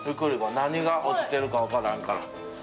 何が落ちてるか分からんから。